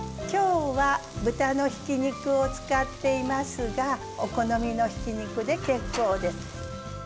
今日は豚のひき肉を使っていますがお好みのひき肉で結構です。